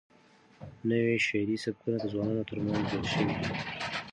نوي شعري سبکونه د ځوانانو ترمنځ دود شوي.